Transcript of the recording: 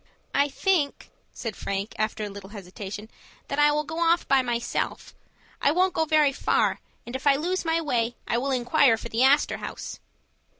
"I think," said Frank, after a little hesitation, "that I will go off by myself. I won't go very far, and if I lose my way, I will inquire for the Astor House."